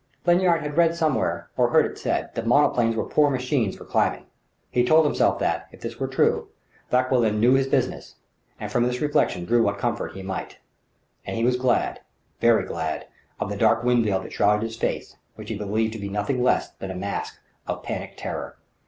Lanyard had read somewhere, or heard it said, that monoplanes were poor machines for climbing. He told himself that, if this were true, Vauquelin knew his business; and from this reflection drew what comfort he might. And he was glad, very glad of the dark wind veil that shrouded his face, which he believed to be nothing less than a mask of panic terror.